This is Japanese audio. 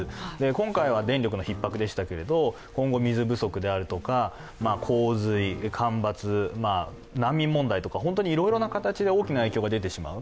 今回は電力のひっ迫でしたけれど今後、水不足であるとか洪水、干ばつ、難民問題とか、本当にいろいろな形で大きな影響が出てしまう。